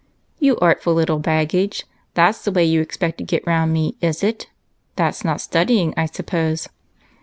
" You artful little baggage ! that 's the way you expect to get round me, is it ? That 's not studying, I suppose